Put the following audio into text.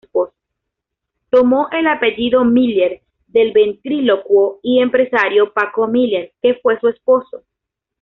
Tomó el apellido Miller del ventrílocuo y empresario Paco Miller, que fue su esposo.